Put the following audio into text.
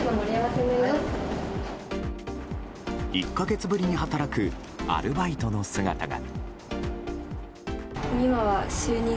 １か月ぶりに働くアルバイトの姿が。